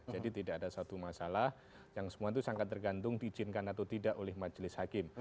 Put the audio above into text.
jadi tidak ada satu masalah yang semua itu sangat tergantung dicinkan atau tidak oleh majelis hakim